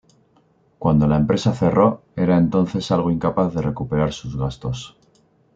Cuando la empresa cerró, era entonces algo incapaz de recuperar sus gastos.